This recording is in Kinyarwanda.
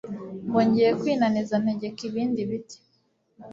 ngo ngiye kwinaniza ntegeka ibindi biti